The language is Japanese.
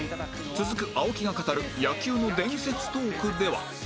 続く青木が語る野球の伝説トークでは